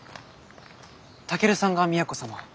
健さんが都様を。